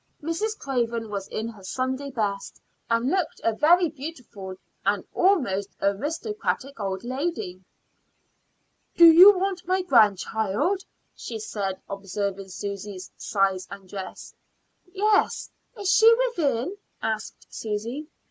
Mrs. Craven was in her Sunday best, and looked a very beautiful and almost aristocratic old lady. "Do you want my grandchild?" she said, observing Susy's size and dress. "Yes; is she within?" asked Susy.